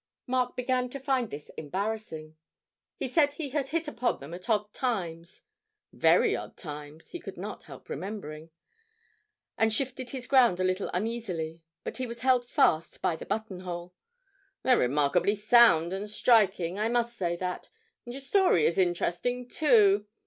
Mark began to find this embarrassing; he said he had hit upon them at odd times ('very odd times,' he could not help remembering), and shifted his ground a little uneasily, but he was held fast by the buttonhole. 'They're remarkably sound and striking, I must say that, and your story is interesting, too.